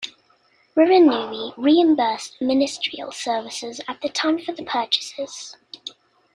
Ririnui reimbursed Ministerial Services at the time for the purchases.